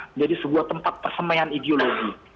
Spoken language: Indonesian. menjadi sebuah tempat persemaian ideologi